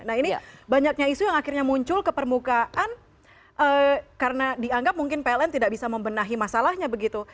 nah ini banyaknya isu yang akhirnya muncul ke permukaan karena dianggap mungkin pln tidak bisa membenahi masalahnya begitu